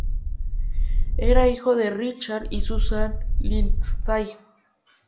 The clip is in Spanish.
Era hijo de Richard y Susan Lindsay.